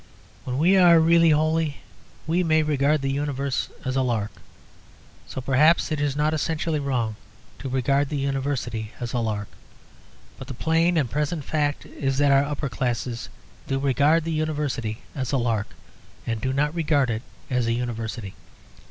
When we are really holy we may regard the Universe as a lark; so perhaps it is not essentially wrong to regard the University as a lark. But the plain and present fact is that our upper classes do regard the University as a lark, and do not regard it as a University.